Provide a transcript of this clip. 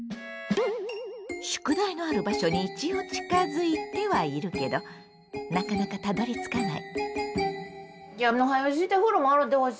宿題のある場所に一応近づいてはいるけどなかなかたどりつかない。